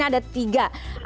tadi ada pertimbangan ada tiga